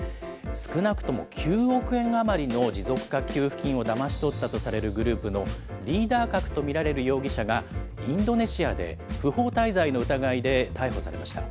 少なくとも９億円余りの持続化給付金をだまし取ったとされるグループのリーダー格と見られる容疑者が、インドネシアで不法滞在の疑いで逮捕されました。